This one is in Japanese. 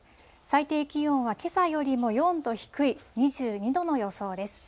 最低気温はけさよりも４度低い２２度の予想です。